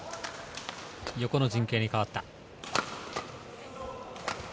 横の陣形に変わった。